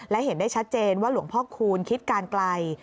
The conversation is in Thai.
และเห็นได้ชัดเจนว่าหลวงพ่อคูณคิดการไกล